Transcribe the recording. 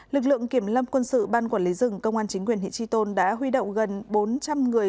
lực lượng kiểm lâm quân sự ban quản lý rừng công an chính quyền huyện tri tôn đã huy động gần bốn trăm linh người